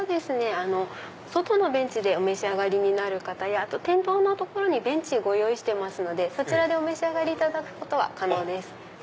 外のベンチでお召し上がりになる方や店頭にベンチご用意してますのでお召し上がりいただくことは可能です。